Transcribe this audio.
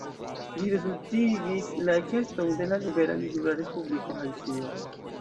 Ĝi rezultigis la ekeston de la libera nigrula respubliko Haitio.